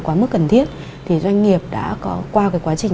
quá mức cần thiết doanh nghiệp đã qua quá trình